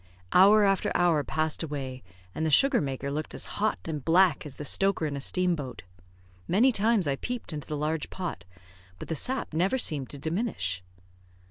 Hour after hour passed away, and the sugar maker looked as hot and black as the stoker in a steam boat. Many times I peeped into the large pot, but the sap never seemed to diminish.